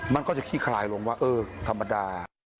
มันก็จะขี้คลายลงว่าเออธรรมดา